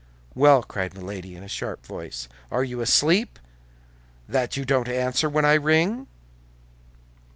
"Well," cried Milady, in a sharp voice. "Are you asleep, that you don't answer when I ring?"